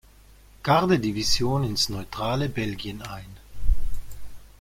Garde-Division ins neutrale Belgien ein.